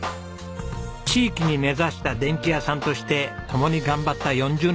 地域に根差した電気屋さんとして共に頑張った４０年。